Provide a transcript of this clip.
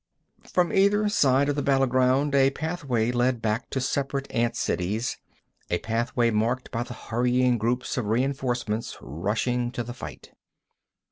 From either side of the battle ground a pathway led back to separate ant cities, a pathway marked by the hurrying groups of reinforcements rushing to the fight.